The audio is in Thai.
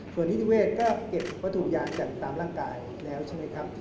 ส่วนนิติเวศก็เก็บวัตถุพยานจากตามร่างกายแล้วใช่ไหมครับ